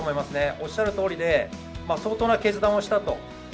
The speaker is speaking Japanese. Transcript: おっしゃるとおりで相当な決断をしたと。